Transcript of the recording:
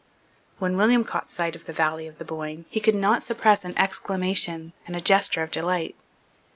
When William caught sight of the valley of the Boyne, he could not suppress an exclamation and a gesture of delight.